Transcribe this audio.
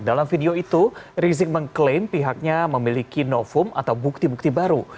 dalam video itu rizik mengklaim pihaknya memiliki novum atau bukti bukti baru